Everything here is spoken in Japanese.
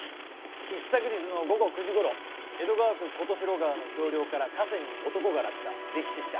一昨日の午後９時頃江戸川区事代川の橋梁から河川に男が落下溺死した。